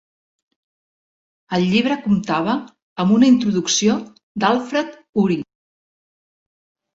El llibre comptava amb una introducció d'Alfred Uhry.